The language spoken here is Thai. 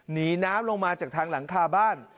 หนีน้ำลงมาจากทางหลังคาบ้าน